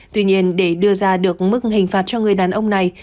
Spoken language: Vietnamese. tuy nhiên để đưa ra được mức hình phạt cho người đàn ông này